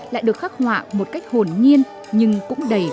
lại được khắc họa một cách hồn nhiên nhưng cũng đầy vui nổi